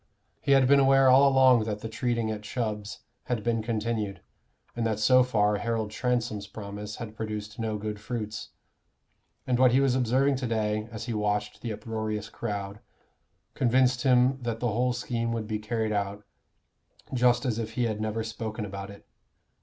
He had been aware all along that the treating at Chubb's had been continued, and that so far Harold Transome's promise had produced no good fruits; and what he was observing to day, as he watched the uproarious crowd, convinced him that the whole scheme would be carried out just as if he had never spoken about it.